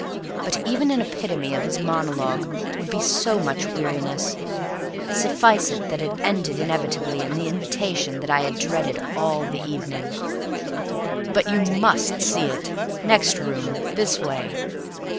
But even an epitome of his monologue would be so much weariness; suffice it that it ended inevitably in the invitation I had dreaded all the evening. "But you must see it. Next room. This way."